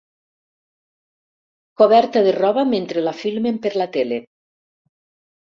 Coberta de roba mentre la filmen per la tele.